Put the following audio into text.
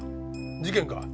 事件か？